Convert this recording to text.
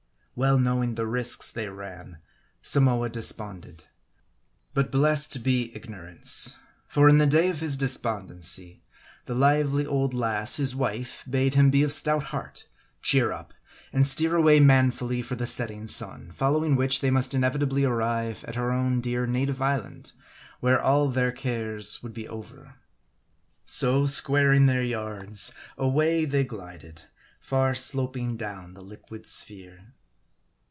Well knowing the risks they ran, Samoa desponded. But blessed be ignorance. ,For in the day of his despondency, the lively old lass his wife bade him be of stout heart, cheer up, and steer away manfully for the setting sun ; following which, they must inevitably arrive at her own dear native island, where all their cares would be over. So squaring their yards, away they glided ; far sloping down the liquid sphere.